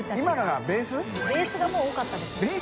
若槻）ベースがもう多かったですね。